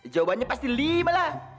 jawabannya pasti limalah